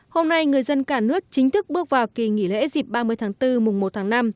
hôm nay người dân cả nước chính thức bước vào kỳ nghỉ lễ dịp ba mươi tháng bốn mùng một tháng năm